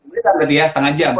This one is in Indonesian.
berarti ya setengah jam